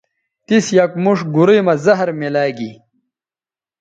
تِس یک موݜ گورئ مہ زہر میلاگی